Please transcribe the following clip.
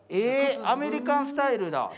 アメリカンスタイルだ。